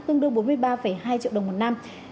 tương đương bốn mươi ba hai triệu đồng một năm